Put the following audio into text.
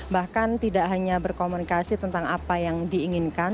bahkan tidak hanya berkomunikasi tentang apa yang diinginkan